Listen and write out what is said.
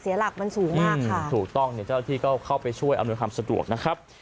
หลักมันสูงมากค่ะถูกต้องเนี่ยเจ้าที่ก็เข้าไปช่วยอำนวยความสะดวกนะครับ